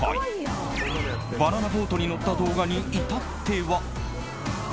バナナボートに乗った動画に至っては。